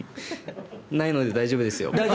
ないので大丈夫ですよ。